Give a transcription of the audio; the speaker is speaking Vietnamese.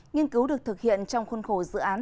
nghiên cứu được thực hiện trong khuôn khổ dự án